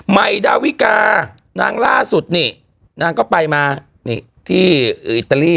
ใหม่ดาวิกานางล่าสุดนางก็ไปอิตาลี